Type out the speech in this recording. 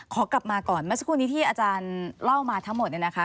ขอกลับมาก่อนเมื่อสักครู่นี้ที่อาจารย์เล่ามาทั้งหมดเนี่ยนะคะ